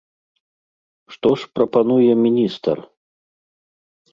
Што ж прапануе міністр?